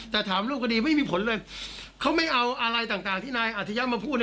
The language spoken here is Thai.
แต่ถามรูปคดีไม่มีผลเลยเขาไม่เอาอะไรต่างที่นายอัจฉริยะมาพูด